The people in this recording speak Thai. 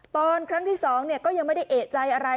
ตอนครั้งที่๒ก็ยังไม่ได้เอกใจอะไร